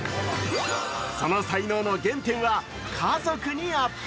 その才能の原点は、家族にあった。